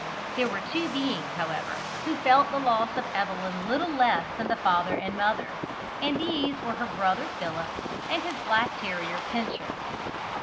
There were two beings, however, who felt the loss of Evelyn little less than the father and mother; and these were her brother Philip and his black terrier Pincher.